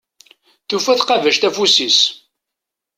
Tufa tqabact afus-is.